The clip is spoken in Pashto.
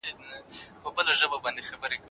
ايا ماشوم منځګړيتوب کولای سي؟